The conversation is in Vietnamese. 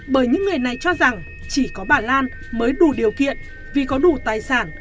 bởi những người này cho rằng chỉ có bà lan mới đủ điều kiện vì có đủ tài sản